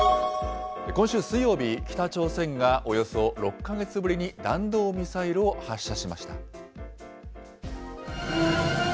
今週水曜日、北朝鮮がおよそ６か月ぶりに弾道ミサイルを発射しました。